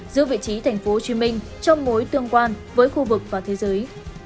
giữ vị trí tp hcm trong mối tương quan với khu vực và thế giới